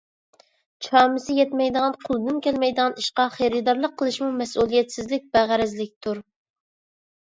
چامىسى يەتمەيدىغان، قولىدىن كەلمەيدىغان ئىشقا خېرىدارلىق قىلىشمۇ مەسئۇلىيەتسىزلىك، بەغەرەزلىكتۇر.